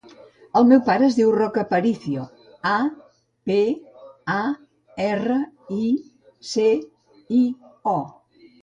El meu pare es diu Roc Aparicio: a, pe, a, erra, i, ce, i, o.